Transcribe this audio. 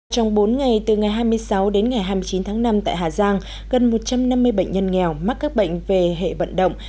trong bốn ngày từ ngày hai mươi sáu đến ngày hai mươi chín tháng năm tại hà giang gần một trăm năm mươi bệnh nhân nghèo mắc các bệnh về hệ vận động